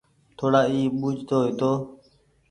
ٿوڙا اي ٻوجه تو هيتو